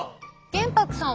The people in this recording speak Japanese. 玄白さん